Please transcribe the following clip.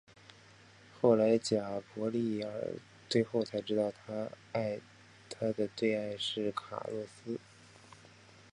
后来贾柏莉儿最后才知道她的最爱是卡洛斯。